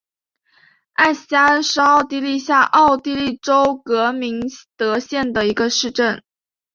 艾斯加恩是奥地利下奥地利州格明德县的一个市镇。